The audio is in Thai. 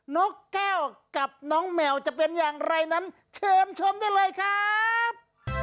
นกแก้วกับน้องแมวจะเป็นอย่างไรนั้นเชิญชมได้เลยครับ